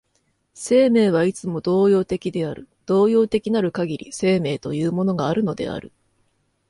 生命はいつも動揺的である、動揺的なるかぎり生命というものがあるのである。